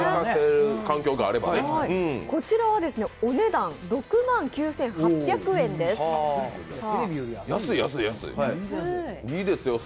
こちらはお値段６万９８００円です。